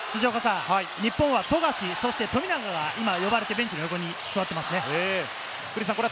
日本は富樫、そして富永が今呼ばれて、ベンチの横に座っています。